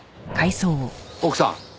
奥さん。